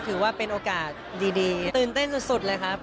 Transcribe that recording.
ถือว่าเป็นโอกาสดีตื่นเต้นสุดเลยครับ